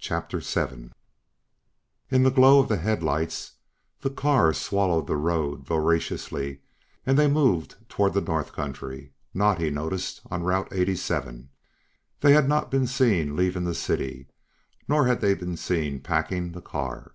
CHAPTER SEVEN In the glow of the headlights, the car swallowed the road voraciously and they moved toward the north country not, he noticed, on route 87. They had not been seen leaving the city, nor had they been seen packing the car.